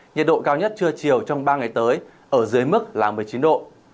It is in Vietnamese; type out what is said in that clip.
nhiệt độ cao nhất trưa chiều trong ba ngày tới ở dưới mức là một mươi chín độ